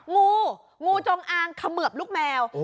งูงูจงอางเขมือบลูกแมว